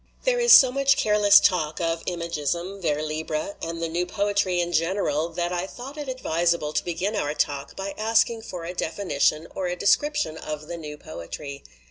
There is so much careless talk of imagisme, vers libre, and the new poetry in general that I thought it advisable to begin our talk by asking for a definition or a description of the new poetry.